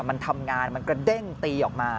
มันทำงานมันกระเด้งตีออกมา